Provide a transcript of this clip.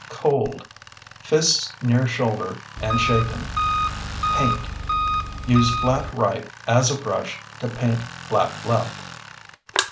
Cold (Fists near shoulder and shaken). Paint (Use flat right as a brush to paint flat left).